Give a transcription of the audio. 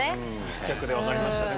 密着で分かりましたね